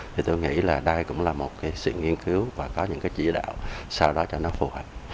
thì tôi nghĩ là đây cũng là một cái sự nghiên cứu và có những cái chỉ đạo sau đó cho nó phù hợp